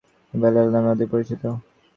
তিনি Black Sam Bellamy নামে অধিক পরিচিত।